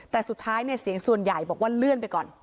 แต่สุดท้ายเนี่ยเสียงส่วนใหญ่บอกว่าเลื่อนไปก่อน